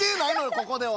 ここでは。